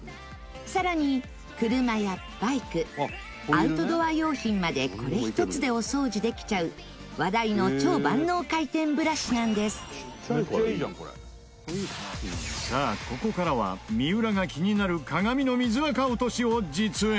さらに、車やバイクアウトドア用品までこれ一つでお掃除できちゃう話題の超万能回転ブラシなんですさあ、ここからは三浦が気になる鏡の水アカ落としを実演